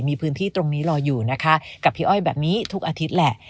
มีพื้นที่ตรงนี้รออยู่นะคะกับพี่อ้อยแบบนี้ทุกอาทิตย์แหละ